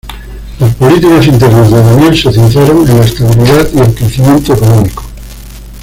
Las políticas internas de Daniel se centraron en la estabilidad y el crecimiento económico.